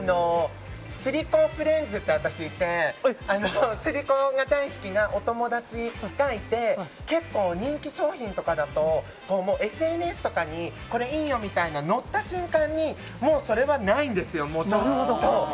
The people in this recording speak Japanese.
スリコフレンズっていうのが私にはいてスリコが大好きなお友達がいて結構、人気商品とかだとＳＮＳとかにこれいいよみたいなのが載った瞬間にもうそれは店舗にないんですよ。